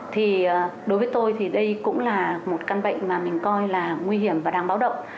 thì đối với tôi thì đây cũng là một căn bệnh mà mình coi là nguy hiểm và đáng báo động